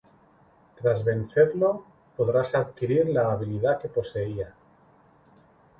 Tras vencerlo, podrás adquirir la habilidad que poseía.